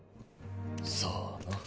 さあな。